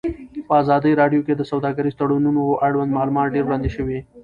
په ازادي راډیو کې د سوداګریز تړونونه اړوند معلومات ډېر وړاندې شوي.